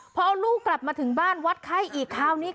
พอเอาลูกกลับมาถึงบ้านวัดไข้อีกคราวนี้